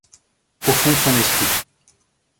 Au fond de son esprit